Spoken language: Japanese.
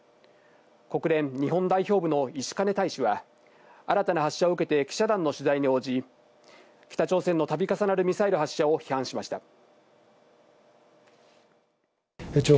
国連日本代表部の石兼大使は新たな発射を受けて記者団の取材に応じ、北朝鮮の度重なるミサイル発射を批判しました。